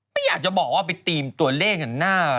ไม่อยากจะบอกว่าไปตีมตัวเลขกันหน้า